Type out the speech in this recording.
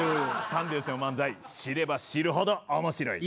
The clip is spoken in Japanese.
三拍子の漫才知れば知るほど面白い。